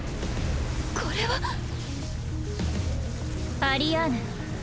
これはアリアーヌ